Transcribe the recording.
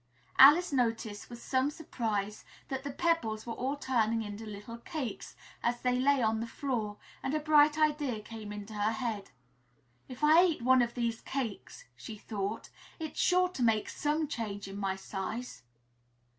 Alice noticed, with some surprise, that the pebbles were all turning into little cakes as they lay on the floor and a bright idea came into her head. "If I eat one of these cakes," she thought, "it's sure to make some change in my size."